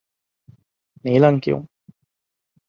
ނީލަން ކިޔުން